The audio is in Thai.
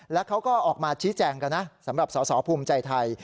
แล้วเขาก็ออกมาชี้แจงกันนะสำหรับสอสอภูมิใจไทย